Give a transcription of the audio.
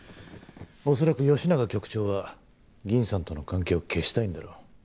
恐らく吉永局長は銀さんとの関係を消したいんだろう。